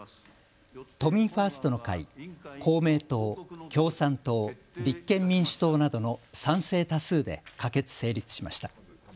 都民ファーストの会、公明党、共産党、立憲民主党などの賛成多数で可決・成立しました。